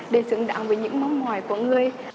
để xứng đáng với những mong mỏi của người